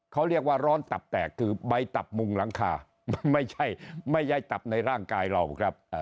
เขาเรียกว่าร้อนตับแตกคือใบตับมุงหลังคาไม่ใช่ไม่ใช่ตับในร่างกายเราครับ